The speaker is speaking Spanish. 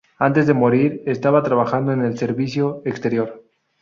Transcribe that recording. Antes de morir, estaba trabajando en el servicio exterior.